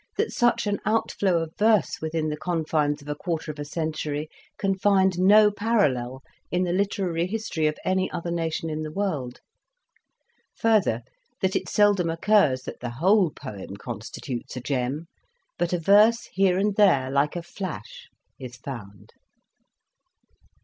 that such an outflow of verse within the con fines of a quarter of a century can find no parallel in the literary history of any other nation in the world. Further, that it seldom occurs that the whole poem constitutes a gem, but a verse here and there, like a flash, is found.